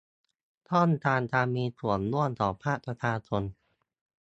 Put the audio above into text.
ช่องทางการมีส่วนร่วมของภาคประชาชน